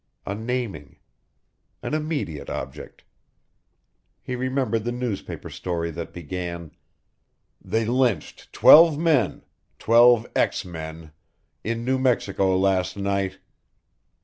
A naming. An immediate object. He remembered the newspaper story that began: "They lynched twelve men, twelve ex men, in New Mexico last night